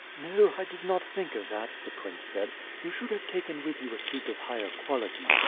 "No, I did not think of that," the prince said. "You should have taken with you a suit of higher quality.